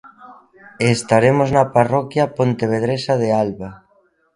E estaremos na parroquia pontevedresa de Alba.